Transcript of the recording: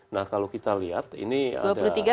nah kalau kita lihat ini ada